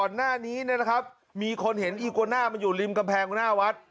หน้านี้นะครับมีคนเห็นอีโกน่ามันอยู่ริมกำแพงหน้าวัด